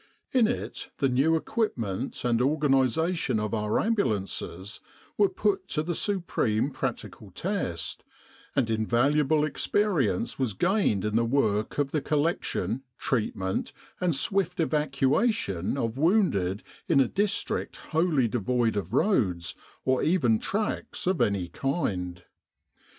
In it the new equipment and organisation of our ambulances were put to the supreme practical test, and invaluable experience was gained in the work of the collection, treatment, and swift evacuation of wounded in a district wholly devoid of roads or even tracks of any kind.